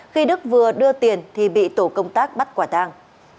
khi đức vừa đưa tiền thì bị tổ công tác bắt quả tàng